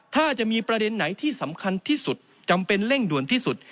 ถ้าจะมีประเด็นไหนที่สำคัญที่สุดจำเป็นเร่งด่วนที่สุด